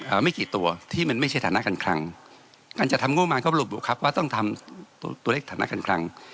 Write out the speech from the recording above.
อ่าไม่กี่ตัวที่มันไม่ใช่ฐานะกันครั้งการจะทำงบมารก็รูปดูครับว่าต้องทำตัวเลขฐานะกันครั้ง